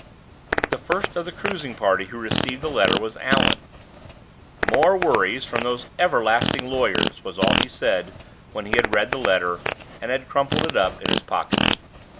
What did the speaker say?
The first of the cruising party who received a letter was Allan. "More worries from those everlasting lawyers," was all he said, when he had read the letter, and had crumpled it up in his pocket.